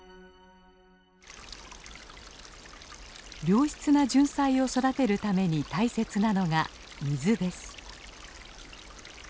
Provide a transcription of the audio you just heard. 良質なジュンサイを育てるために大切なのが水です。